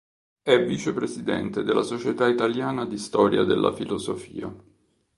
È Vicepresidente della Società Italiana di Storia della Filosofia.